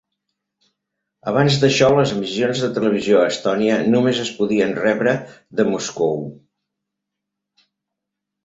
Abans d"això, les emissions de televisió a Estònia només es podien rebre de Moscou.